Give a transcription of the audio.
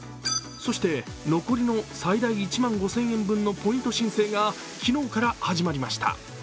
そして残りの最大１万５０００円分のポイント申請が昨日から始まりました。